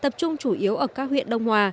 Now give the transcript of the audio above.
tập trung chủ yếu ở các huyện đông hòa